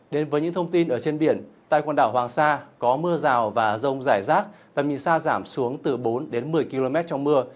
đến với những thông tin ở trên biển tại quần đảo hoàng sa có mưa rào và rông rải rác tầm nhìn xa giảm xuống từ bốn một mươi km trong mưa